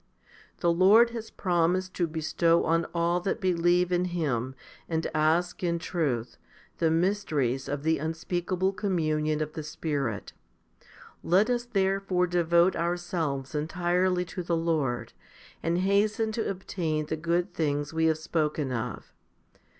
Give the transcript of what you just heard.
2 The Lord has promised to bestow on all that believe in Him and ask in truth the mysteries of the unspeakable communion of the Spirit. Let us therefore devote ourselves entirely to the Lord, and hasten to obtain the good things we have spoken of.